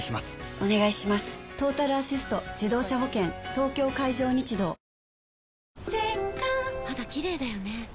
東京海上日動・肌キレイだよね。